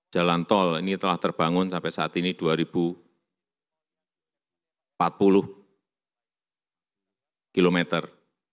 jalan tol ini telah terbangun sampai saat ini dua ribu empat puluh kilometer